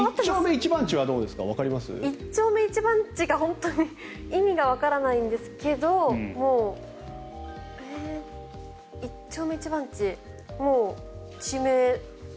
一丁目一番地が本当に意味がわからないんですが一丁目一番地もう地名？